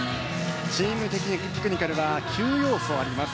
チームテクニカルは９要素あります。